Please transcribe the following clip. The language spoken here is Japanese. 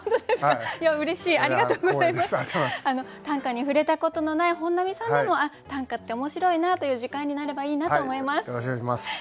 短歌に触れたことのない本並さんでもあっ短歌って面白いなという時間になればいいなと思います。